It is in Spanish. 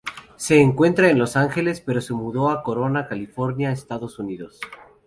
Se encuentra en Los Ángeles, pero se mudó a Corona, California, Estados Unidos.